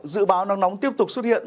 dự báo nắng nóng tiếp tục xuất hiện